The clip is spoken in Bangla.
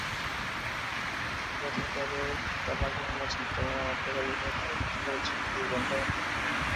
পথের ধারে তালা কিংবা ছাতা মেরামতের কারিগরেরাও বসে পড়েছেন নিজেদের যন্ত্রপাতি নিয়ে।